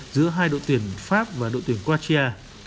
giữa hai đội tuyển pháp và đội tuyển croatia